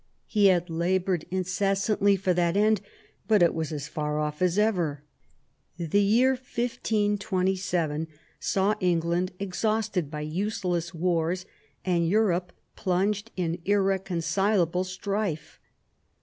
He had laboured incessantly for that end, but it was as far off as ever. The year 1527 saw England exhausted by useless wars, and Europe plunged in irre concilable strife.